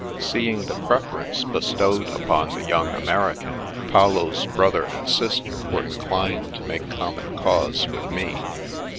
Seeing the preference bestowed upon the young 228 The Princess Passes American, Paolo's brother and sister were inclined to make common cause with me.